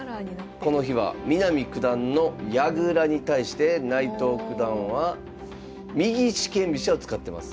この日は南九段の矢倉に対して内藤九段は右四間飛車を使ってます。